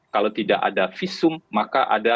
kalau tidak ada visum maka ada